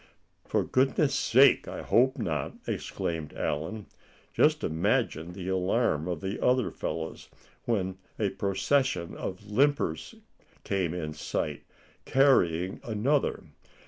"For goodness sake, I hope not," exclaimed Allan. "Just imagine the alarm of the other fellows when a procession of limpers came in sight, carrying another.